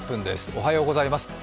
おはようございます。